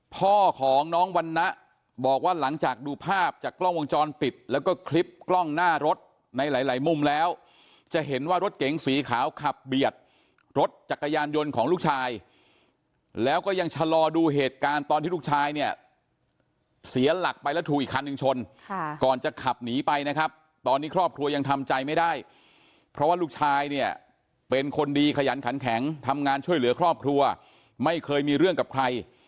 พ่อของน้องวันนะบอกว่าหลังจากดูภาพจากกล้องวงจรปิดแล้วก็คลิปกล้องหน้ารถในหลายมุมแล้วจะเห็นว่ารถเก๋งสีขาวขับเบียดรถจักรยานยนต์ของลูกชายแล้วก็ยังชะลอดูเหตุการณ์ตอนที่ลูกชายเนี่ยเสียหลักไปแล้วถูอีกคันหนึ่งชนก่อนจะขับหนีไปนะครับตอนนี้ครอบครัวยังทำใจไม่ได้เพราะว่าลูกชายเนี่